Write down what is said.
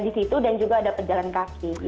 di situ dan juga ada pejalan kaki